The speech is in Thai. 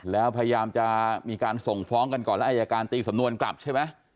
แล้วพยายามจะมีการส่งฟ้องกันก่อนแล้วอายการตีสำนวนกลับใช่ไหม